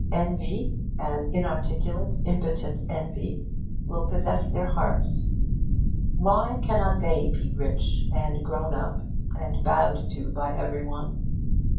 Envy an inarticulate, impotent envy will possess their hearts: why cannot they be rich, and grown up, and bowed to by every one?